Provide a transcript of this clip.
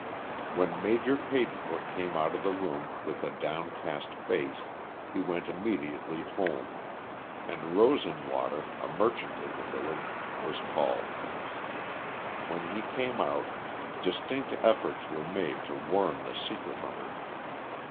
When Major Pagebrook came out of the room with a downcast face he went immediately home, and Rosenwater, a merchant in the village, was called. When he came out, distinct efforts were made to worm the secret from him.